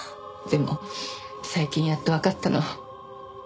でも最近やっとわかったの。